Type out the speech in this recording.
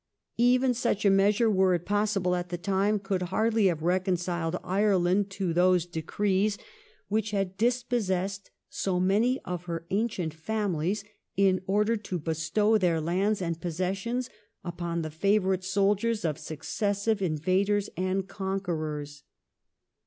Even such a measure, were it possible at the time, could hardly have reconciled Ireland to those decrees which had dispossessed so many of her ancient families in order to bestow their lands and posses sions upon the favourite soldiers of successive invaders and conquerors.